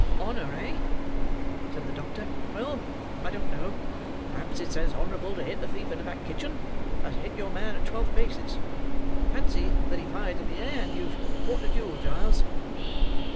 "Honour, eh?" said the doctor; "well, I don't know; perhaps it's as honourable to hit a thief in a back kitchen, as to hit your man at twelve paces. Fancy that he fired in the air, and you've fought a duel, Giles."